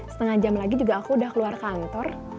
setengah jam lagi juga aku udah keluar kantor